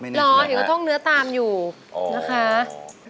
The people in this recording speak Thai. เหรอเห็นว่าท่องเนื้อตามอยู่นะคะ